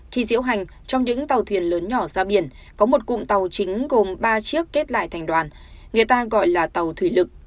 khi diễu hành trong những tàu thuyền lớn nhỏ ra biển có một cụm tàu chính gồm ba chiếc kết lại thành đoàn người ta gọi là tàu thủy lực